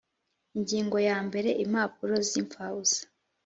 Ingingo ya mbere Impapuro z’impfabusa